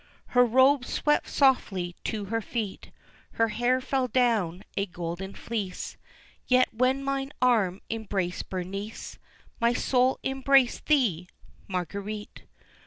Her robes swept softly to her feet, Her hair fell down a golden fleece, Yet, when mine arm embraced Bernice, My soul embraced thee, Marguerite.